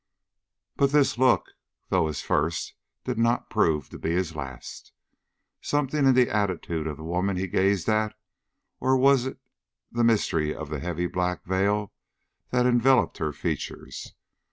But this look, though his first, did not prove to be his last. Something in the attitude of the woman he gazed at or was it the mystery of the heavy black veil that enveloped her features?